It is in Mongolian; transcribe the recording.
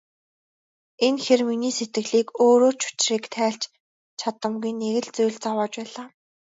Энэ хэр миний сэтгэлийг өөрөө ч учрыг тайлж чадамгүй нэг л зүйл зовоож байлаа.